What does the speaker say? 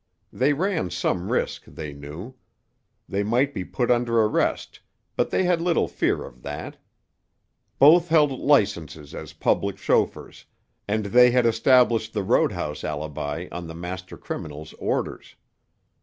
They ran some risk, they knew. They might be put under arrest, but they had little fear of that. Both held licenses as public chauffeurs, and they had established the road house alibi on the master criminal's orders.